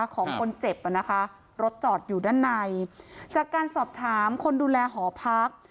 ของคนเจ็บอ่ะนะคะรถจอดอยู่ด้านในจากการสอบถามคนดูแลหอพัก